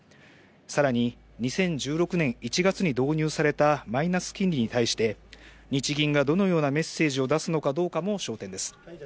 更に２０１６年１月に導入されたマイナス金利に対して日銀がどのようなメッセージを出すのかも焦点です。